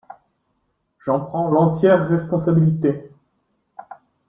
J'en prends l'entière responsabilité.